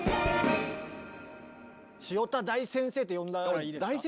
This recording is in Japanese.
塩田大先生と呼んだらいいですか？